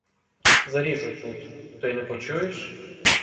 Заріжуть тут, то й не почуєш?